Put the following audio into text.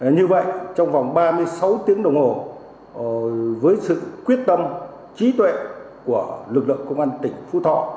như vậy trong vòng ba mươi sáu tiếng đồng hồ với sự quyết tâm trí tuệ của lực lượng công an tỉnh phú thọ